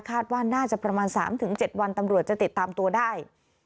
ว่าน่าจะประมาณ๓๗วันตำรวจจะติดตามตัวได้